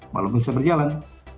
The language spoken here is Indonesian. malah bisa berjalan